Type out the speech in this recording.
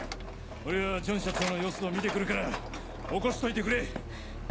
俺はジョン社長の様子を見て来るから起こしといてくれ。